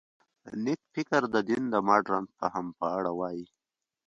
نېکفر د دین د مډرن فهم په اړه وايي.